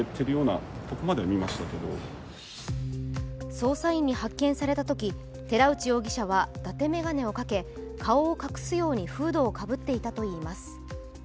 捜査員に発見されたとき寺内容疑者は、だて眼鏡をかけ、顔を隠すようにフードをかぶっていたといいます。